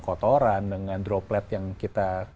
kotoran dengan droplet yang kita